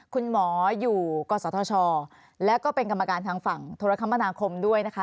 คุณหมออยู่กศธชแล้วก็เป็นกรรมการทางฝั่งธุรกรรมนาคมด้วยนะคะ